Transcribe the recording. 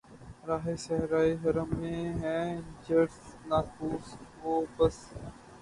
راہِ صحرائے حرم میں ہے جرس‘ ناقوس و بس